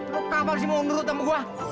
lu kenapa sih mau undur utama gua